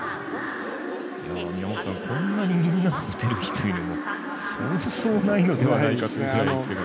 宮本さん、こんなにみんな打てる日っていうのもそうそうないのではないかという数字なんですけど。